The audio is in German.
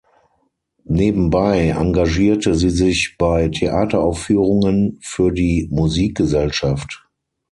Nebenbei engagierte sie sich bei Theateraufführungen für die Musikgesellschaft.